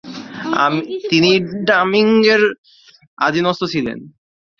তিনি ডমিঙ্গের অধীনস্থ ছিলেন।